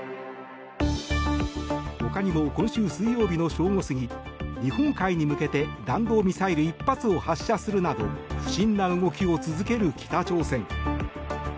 ほかにも今週水曜日の正午過ぎ日本海に向けて弾道ミサイル１発を発射するなど不審な動きを続ける北朝鮮。